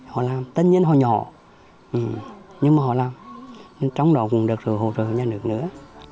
họ làm tất nhiên họ nhỏ nhưng mà họ làm trong đó cũng được sự hỗ trợ nhà nước nữa